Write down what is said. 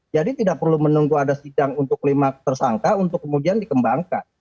jadi tidak perlu menunggu ada sidang untuk lima tersangka untuk kemudian dikembangkan